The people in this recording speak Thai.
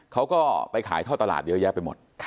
เขาก็ไปขายท่อตลาดเยอะแยะไปหมด